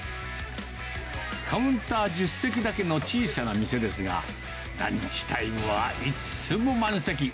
カウンター１０席だけの小さな店ですが、ランチタイムはいつも満席。